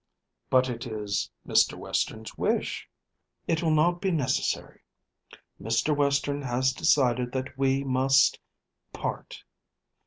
"But it is Mr. Western's wish." "It will not be necessary. Mr. Western has decided that we must part.